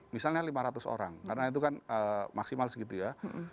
misalnya lima ratus orang karena itu kan maksimal segitu ya